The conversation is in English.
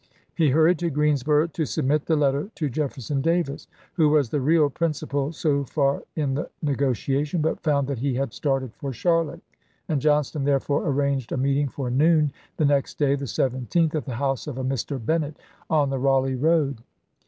He hurried to Greensboro' to submit the letter to Jefferson Davis, who was the real principal so far in the negotiation, but found that he had started for Charlotte; and Johnston, therefore, arranged a meeting for noon the next day, the 17th, at the house of a Mr. Bennett on the Ealeigh road.